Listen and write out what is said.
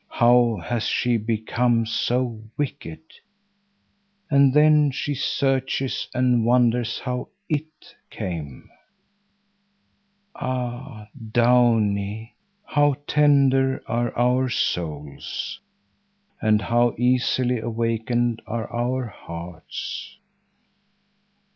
How has she become so wicked? And then she searches and wonders how "it" came. Ah Downie! How tender are our souls, and how easily awakened are our hearts!